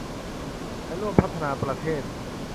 และร่วมพัฒนาประเทศ